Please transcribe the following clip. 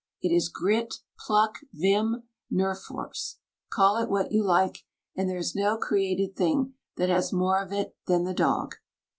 It is grit, pluck, vim, nerve force; call it what you like, and there is no created thing that has more of it than the dog.